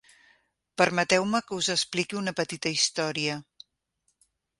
Permeteu-me que us expliqui una petita història.